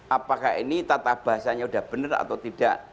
apakah ini tata bahasanya sudah benar atau tidak